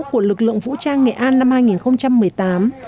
của lực lượng vũ trang nghệ an năm hai nghìn một mươi tám